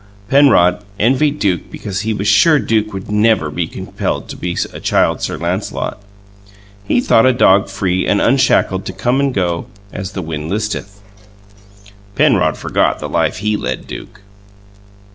Penrod envied Duke because he was sure Duke would never be compelled to be a Child Sir Lancelot. He thought a dog free and unshackled to go or come as the wind listeth. Penrod forgot the life he led Duke.